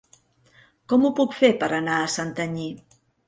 Com ho puc fer per anar a Santanyí?